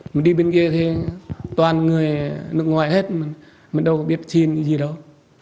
mình đi bên kia thì toàn người nước ngoài hết mình đâu có biết xin cái gì đâu